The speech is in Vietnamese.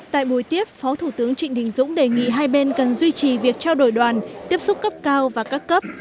tại buổi tiếp phó thủ tướng trịnh đình dũng đề nghị hai bên cần duy trì việc trao đổi đoàn tiếp xúc cấp cao và các cấp